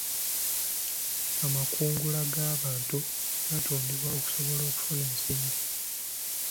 Amakungula g'abantu gaatundibwa okusobola okufuna ensimbi.